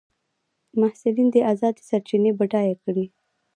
محصلین دي ازادې سرچینې بډایه کړي.